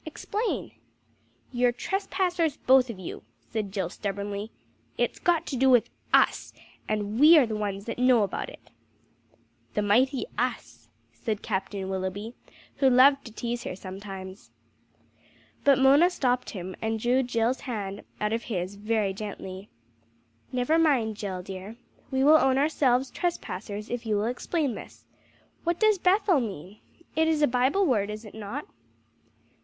Explain." "You're trespassers both of you," said Jill stubbornly. "It's got to do with us, and we are the ones that know about it." "The mighty US!" said Captain Willoughby, who loved to tease her sometimes. But Mona stopped him, and drew Jill's hand out of his very gently. "Never mind, Jill dear. We will own ourselves trespassers if you will explain this. What does 'Bethel' mean? It is a Bible word, is it not?"